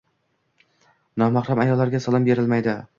Nomahram ayollarga salom berilmaydi.